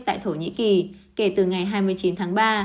tại thổ nhĩ kỳ kể từ ngày hai mươi chín tháng ba